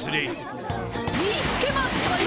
見つけましたよ！